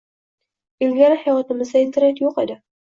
Ilgari hayotimizda internet yo`q edi